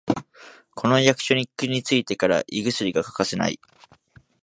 この役職についてから胃薬が欠かせない